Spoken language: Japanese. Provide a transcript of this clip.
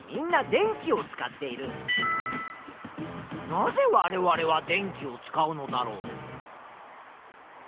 なぜわれわれは電気を使うのだろう？